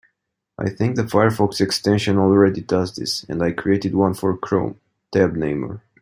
I think the Firefox extension already does this, and I created one for Chrome, Tab Namer.